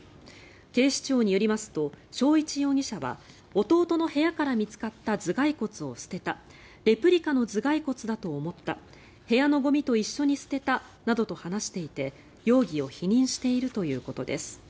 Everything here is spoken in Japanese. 警視庁によりますと正一容疑者は弟の部屋から見つかった頭がい骨を捨てたレプリカの頭がい骨だと思った部屋のゴミと一緒に捨てたなどと話していて容疑を否認しているということです。